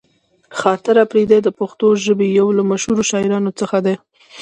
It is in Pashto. خاطر اپريدی د پښتو ژبې يو له مشهورو شاعرانو څخه دې.